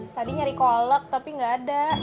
tadi nyari kolak tapi gak ada